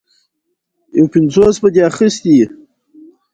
ازادي راډیو د ټولنیز بدلون په اړه رښتیني معلومات شریک کړي.